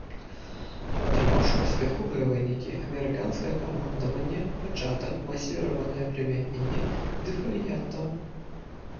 Атрымаўшы паспяховыя вынікі, амерыканскае камандаванне пачатак масіраванае прымяненне дэфаліянтаў.